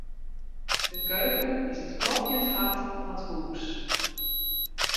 De keuken is it klopjend hart fan it hús.